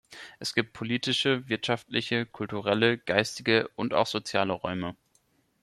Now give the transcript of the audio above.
Es gibt politische, wirtschaftliche, kulturelle, geistige und auch soziale Räume.